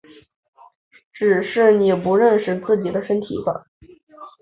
只是你不认识自己的身体吧！